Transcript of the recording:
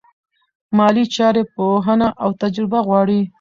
مالي چارې پوهنه او تجربه غواړي.